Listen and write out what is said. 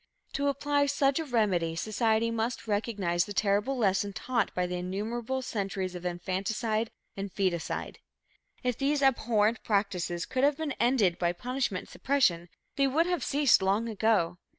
To apply such a remedy, society must recognize the terrible lesson taught by the innumerable centuries of infanticide and foeticide. If these abhorrent practices could have been ended by punishment and suppression, they would have ceased long ago.